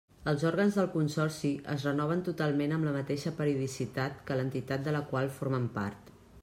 Els òrgans del consorci es renoven totalment amb la mateixa periodicitat que l'entitat de la qual formen part.